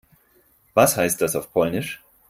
Was heißt das auf Polnisch?